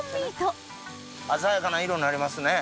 鮮やかな色なりますね